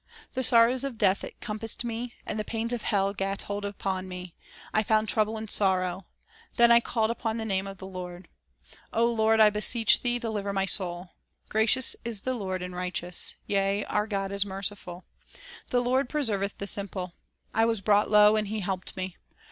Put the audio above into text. " The sorrows of death compassed me, And the pains of hell gat hold upon me; I found trouble and sorrow. Then called I upon the name of the Lord : Lord, I beseech Thee, deliver my soul. Gracious is the Lord, and righteous; Yea, our God is merciful. "The Lord preserveth the simple; 1 was brought low, and He helped me.